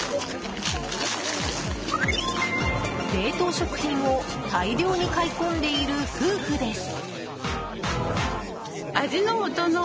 冷凍食品を大量に買い込んでいる夫婦です。